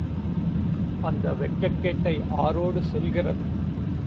அந்த வெட்கக்கேட்டை ஆரோடு சொல்கிறது?